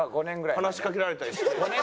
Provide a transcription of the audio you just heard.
話しかけられたりして。